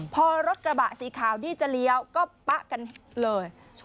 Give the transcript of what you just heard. พอรถกระบะสีขาวนี่จะเลี้ยวก็ป๊ะกันเลย